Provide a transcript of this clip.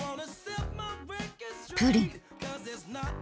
プリン。